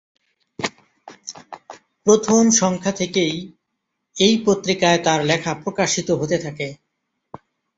প্রথম সংখ্যা থেকেই এই পত্রিকায় তার লেখা প্রকাশিত হতে থাকে।